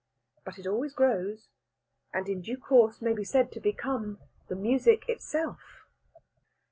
But it always grows, and in due course may be said to become the music itself.